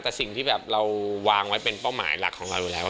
แต่สิ่งที่แบบเราวางไว้เป็นเป้าหมายหลักของเราอยู่แล้ว